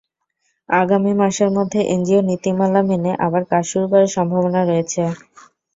আগামী মাসের মধ্যে এনজিও নীতিমালা মেনে আবার কাজ শুরু করার সম্ভাবনা রয়েছে।